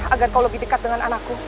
agar kau lebih dekat dengan anakku